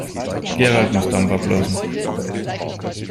Gerald muss Dampf ablassen.